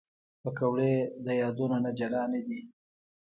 پکورې د یادونو نه جلا نه دي